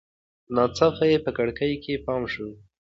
ناڅاپه یې په کړکۍ کې پام شو.